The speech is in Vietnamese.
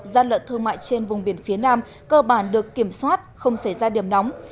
gian lận thương mại trên vùng biển phía nam cơ bản được kiểm soát không xảy ra điểm nóng